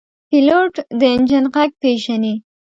پیلوټ د انجن غږ پېژني.